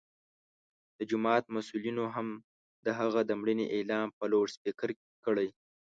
د جومات مسؤلینو هم د هغه د مړینې اعلان په لوډسپیکر کړی.